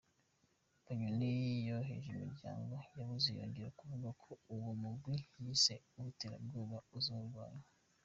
Bunyoni yahojeje imiryango yabuze yongera avuga ko uwo murwi yise uwiterabwoba uzogwanywa.